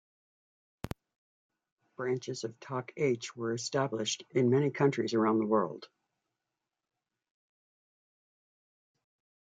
Branches of Toc H were established in many countries around the world.